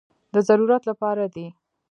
د ضرورت لپاره دي.